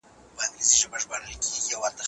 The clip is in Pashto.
دوه او درې ځله غوټه سو په څپو کي